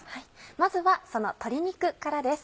まずはその鶏肉からです。